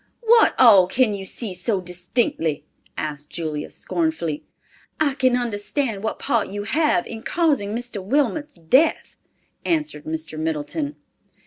"What all can you see so distinctly?" asked Julia scornfully. "I can understand what part you have had in causing Mr. Wilmot's death," answered Mrs. Middleton.